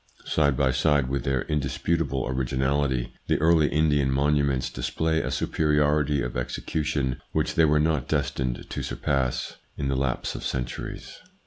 Side by side with their indisputable originality, the early Indian monuments display a superiority of execution which they were not destined to surpass in the lapse of centuries.